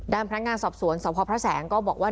พนักงานสอบสวนสพพระแสงก็บอกว่า